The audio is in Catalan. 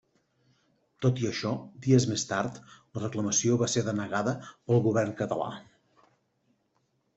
Tot i això, dies més tard, la reclamació va ser denegada pel Govern Català.